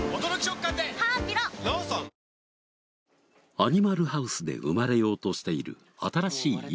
アニマルハウスで生まれようとしている新しい命。